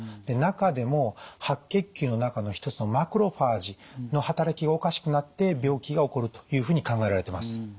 で中でも白血球の中の一つのマクロファージの働きがおかしくなって病気が起こるというふうに考えられてます。